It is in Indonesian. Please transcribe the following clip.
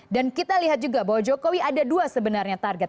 dan kita lihat juga bahwa jokowi ada dua sebenarnya target